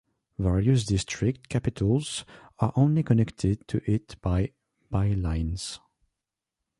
Various district capitals are only connected to it by bylines.